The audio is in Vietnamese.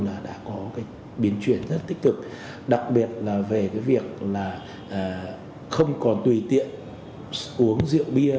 là đã có cái biến chuyển rất tích cực đặc biệt là về cái việc là không còn tùy tiện uống rượu bia